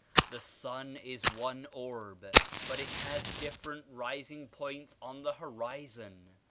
The sun is one orb but it has different rising points on the horizon.